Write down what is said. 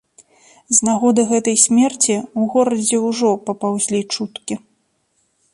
З нагоды гэтай смерці ў горадзе ўжо папаўзлі чуткі.